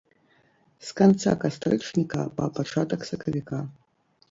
З канца кастрычніка па пачатак сакавіка.